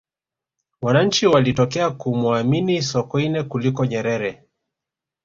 wananchi walitokea kumuamini sokoine kuliko nyerere